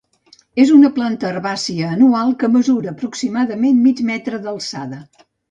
És una planta herbàcia anual que mesura aproximadament mig metre d'alçada.